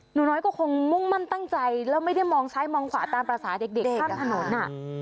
หนูน้อยก็คงมุ่งมั่นตั้งใจแล้วไม่ได้มองซ้ายมองขวาตามภาษาเด็กข้ามถนน